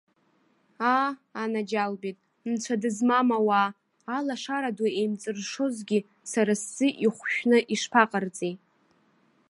Аа, анаџьалбеит, нцәа дызмам ауаа, алашара ду еимҵыршозгьы, сара сзы ихәшәны ишԥаҟарҵеи!